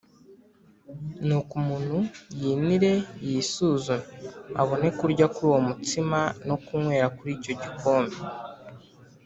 Nuko umuntu yinire yisuzume, abone kurya kuri uwo mutsima no kunywera kuri icyo gikombe